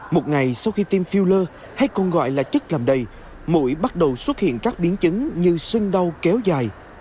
một ngày sau khi tiêm filler hay còn gọi là chất làm đầy mũi bắt đầu xuất hiện các biến chứng như sưng đau kéo dài